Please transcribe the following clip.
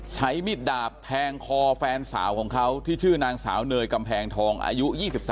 มิดดาบแทงคอแฟนสาวของเขาที่ชื่อนางสาวเนยกำแพงทองอายุ๒๓